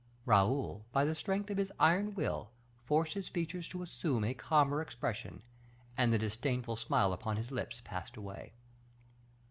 Raoul, by the strength of his iron will, forced his features to assume a calmer expression, and the disdainful smile upon his lip passed away.